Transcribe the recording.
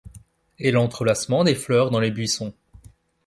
Et l'entrelacement des fleurs dans les buissons.